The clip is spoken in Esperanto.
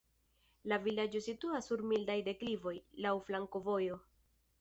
La vilaĝo situas sur mildaj deklivoj, laŭ flankovojoj.